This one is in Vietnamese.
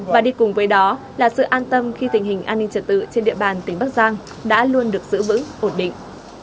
và đi cùng với đó là sự an tâm khi tình hình an ninh trật tự trên địa bàn tỉnh bắc giang đã luôn được giữ vững ổn định